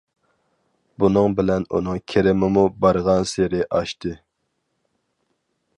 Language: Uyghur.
بۇنىڭ بىلەن ئۇنىڭ كىرىمىمۇ بارغانسېرى ئاشتى.